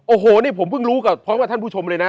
โอ้โหนี่ผมเพิ่งรู้กับพร้อมกับท่านผู้ชมเลยนะ